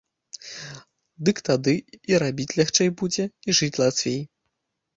Дык тады і рабіць лягчэй будзе, і жыць лацвей.